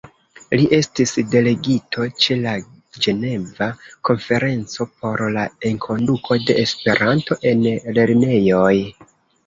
Li estis delegito ĉe la Ĝeneva konferenco por la enkonduko de Esperanto en lernejoj.